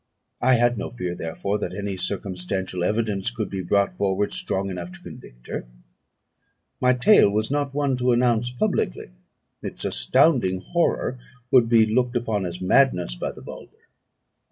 I had no fear, therefore, that any circumstantial evidence could be brought forward strong enough to convict her. My tale was not one to announce publicly; its astounding horror would be looked upon as madness by the vulgar.